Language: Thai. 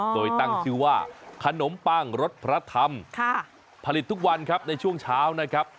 โดยตั้งชื่อว่าขนมปังรสพระธรรมผลิตทุกวันครับในช่วงเช้านะครับ